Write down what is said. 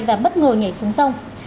và bất ngờ nhảy xuống sông